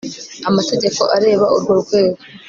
amategeko areba urwo rwego